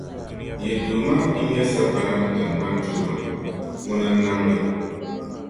Yi Duuma nnyɛ sagbana ni tiŋgbani Duuma, Ŋuna n-nam li.